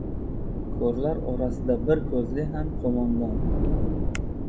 • Ko‘rlar orasida bir ko‘zli ham qo‘mondon.